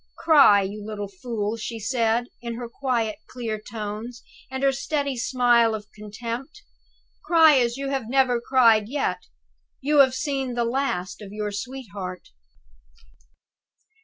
"Cry, you little fool!" she said, with her quiet, clear tones, and her steady smile of contempt. "Cry as you have never cried yet! You have seen the last of your sweetheart."